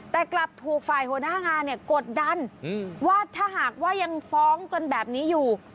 แต่กลับถูกฝ่ายหัวหน้างานเนี่ยกดดันว่าถ้าหากว่ายังฟ้องกันแบบนี้อยู่